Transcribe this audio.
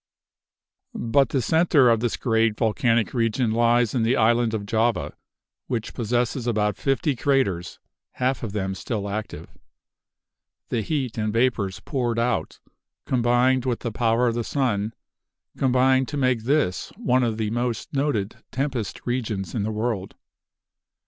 But the center of this great volcanic region lies in the island of Java, which possesses about fifty craters, half of them still active. The heat and vapors poured out, combined with the power of the sun, combine to make this one of the most noted tempest regions in the world.